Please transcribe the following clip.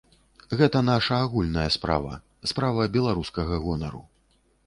Гэта наша агульная справа, справа беларускага гонару.